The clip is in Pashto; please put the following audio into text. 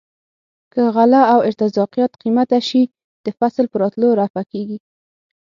که غله او ارتزاقیات قیمته شي د فصل په راتلو رفع کیږي.